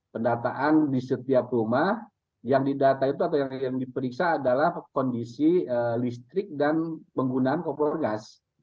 pendataan di setiap rumah yang didata itu atau yang diperiksa adalah kondisi listrik dan penggunaan kompor gas